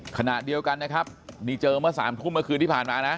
ขณะเดียวกันนะครับนี่เจอเมื่อ๓ทุ่มเมื่อคืนที่ผ่านมานะ